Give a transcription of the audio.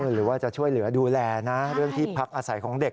หรือว่าจะช่วยเหลือดูแลนะเรื่องที่พักอาศัยของเด็ก